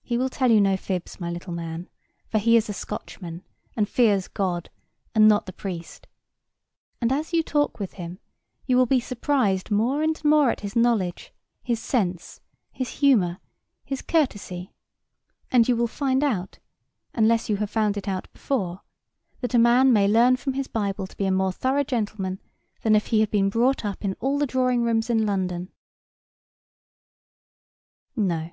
He will tell you no fibs, my little man; for he is a Scotchman, and fears God, and not the priest; and, as you talk with him, you will be surprised more and more at his knowledge, his sense, his humour, his courtesy; and you will find out—unless you have found it out before—that a man may learn from his Bible to be a more thorough gentleman than if he had been brought up in all the drawing rooms in London. [Picture: Scotsman] No.